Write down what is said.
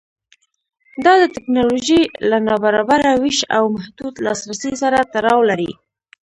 دا د ټکنالوژۍ له نابرابره وېش او محدود لاسرسي سره تړاو لري.